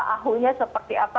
ahunya seperti apa